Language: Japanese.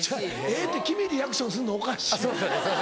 「えぇ」って君リアクションすんのおかしいよ。